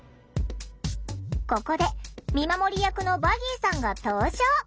ここで見守り役のヴァギーさんが登場。